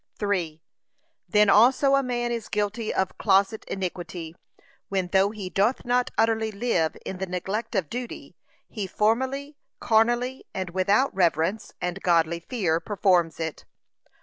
3. Then also a man is guilty of closet iniquity, when though he doth not utterly live in the neglect of duty, he formally, carnally, and without reverence, and godly fear, performs it.